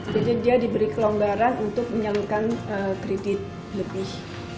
jadi dia diberi kelonggaran untuk menyalurkan kredit lebih